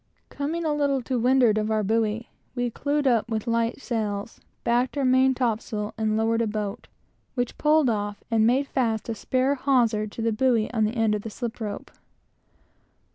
Coming a little to windward of our buoy, we clewed up the light sails, backed our main topsail, and lowered a boat, which pulled off, and made fast a spare hawser to the buoy on the end of the slip rope.